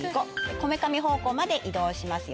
こめかみ方向まで移動しますよ。